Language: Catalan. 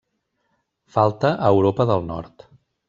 Falta a Europa del nord.